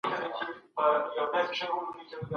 که پښتانه متحد پاته شي، هېڅوک یې نه شي ماتولی.